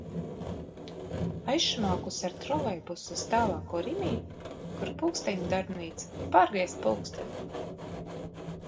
Aizšmaukusi ar trolejbusu uz tālāko Rimi, kur pulksteņu darbnīca, pārgriezt pulksteni.